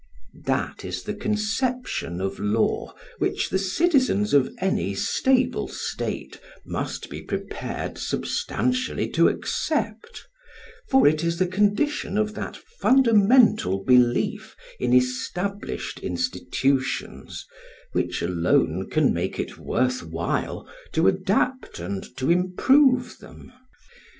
That is the conception of law which the citizens of any stable state must be prepared substantially to accept, for it is the condition of that fundamental belief in established institutions which alone can make it worth while to adapt and to improve them.